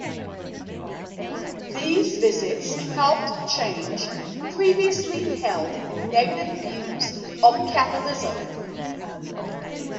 These visits helped change previously held negative views of Catholicism.